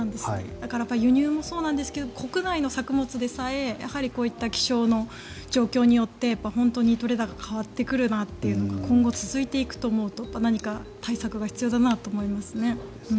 だから、輸入もそうなんですけど国内の作物でさえこういった気象の状況によって本当に取れ高変わってくるなというのが今後、続いていくと思うと何か対策が必要だなと思いますね。